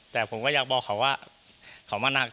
แต่ผมก็อยากบอกเขาว่าเขามาหนัก